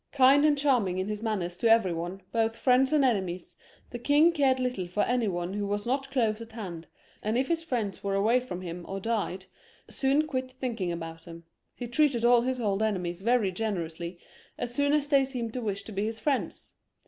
Kind and charm ing in his manners to every one, both friends and enemies, the king cared little for any one who was not close at hand, and if his friends were away from him or died> soon left off thinking about them. He treated all his old enemies very generously, as soon as they seemed to wish to be his friends.